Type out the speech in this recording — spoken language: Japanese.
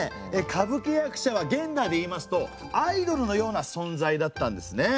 歌舞伎役者は現代でいいますとアイドルのような存在だったんですね。